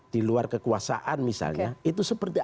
di luar kekuasaan misalnya oke itu seperti